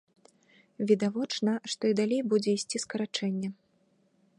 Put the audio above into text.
Відавочна, што і далей будзе ісці скарачэнне.